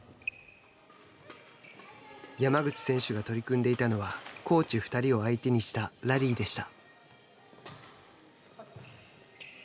山口選手が取り組んでいたのはコーチ２人を相手にしたラリーでした。